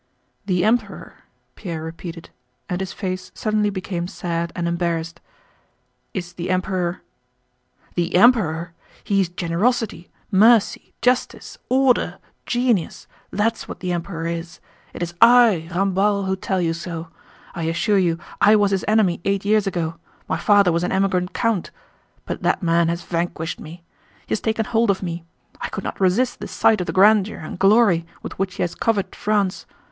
"The Emperor," Pierre repeated, and his face suddenly became sad and embarrassed, "is the Emperor...?" "The Emperor? He is generosity, mercy, justice, order, genius—that's what the Emperor is! It is I, Ramballe, who tell you so.... I assure you I was his enemy eight years ago. My father was an emigrant count.... But that man has vanquished me. He has taken hold of me. I could not resist the sight of the grandeur and glory with which he has covered France.